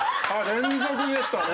連続でしたね。